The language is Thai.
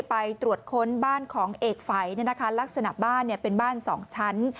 ไปตรวจค้นบ้านของเอกฝัยลักษณะบ้านเป็นบ้าน๒ชั้น